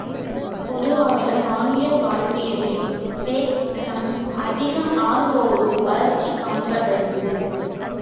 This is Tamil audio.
பொதுவாக மானிட வாழ்வியலில் தேக்கம் அதிகம் நாள்தோறும் வளர்ச்சி காண்பதரிது.